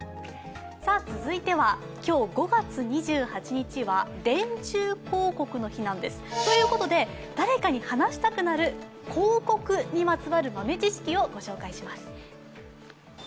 続いては今日５月２８日は電柱広告の日なんです。ということで誰かに話したくなる広告にまつわる豆知識をご紹介します。